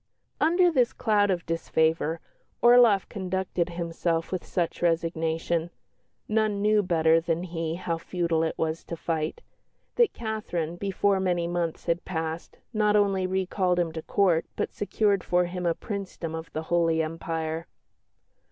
Under this cloud of disfavour Orloff conducted himself with such resignation none knew better than he how futile it was to fight that Catherine, before many months had passed, not only recalled him to Court, but secured for him a Princedom of the Holy Empire.